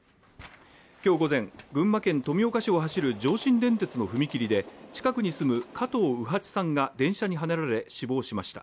今日午前、群馬県富岡市を走る上信電鉄の踏切で近くに住む加藤卯八さんが電車にはねられ死亡しました。